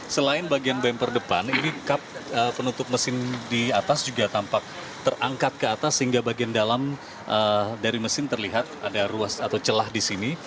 selain bagian bemper depan ini penutup mesin di atas juga tampak terangkat ke atas sehingga bagian dalam dari mesin terlihat ada ruas atau celah di sini